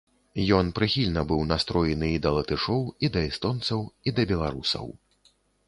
Ён прыхільна быў настроены і да латышоў, і да эстонцаў, і да беларусаў.